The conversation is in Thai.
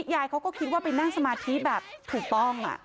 ยายเขาก็คิดว่าไปนั่งสมาธิแบบถูกต้อง